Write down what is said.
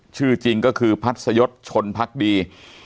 ชื่อจริงก็คือพัศยศชนพักดี